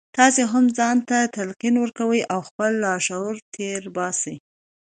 تاسې هم ځان ته تلقين وکړئ او خپل لاشعور تېر باسئ.